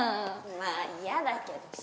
まあ嫌だけどさ。